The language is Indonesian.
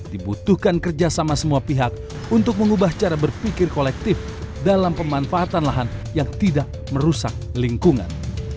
dibutuhkan kerjasama semua pihak untuk mengubah cara berpikir kolektif dalam pemanfaatan lahan yang tidak merusak lingkungan